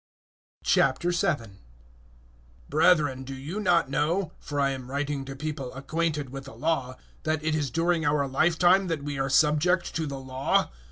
007:001 Brethren, do you not know for I am writing to people acquainted with the Law that it is during our lifetime that we are subject to the Law?